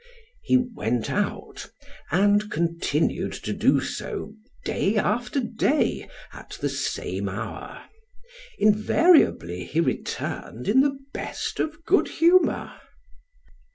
He went out, and continued to do so, day after day, at the same hour. Invariably he returned in the best of good humor.